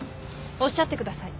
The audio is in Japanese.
おっしゃってください。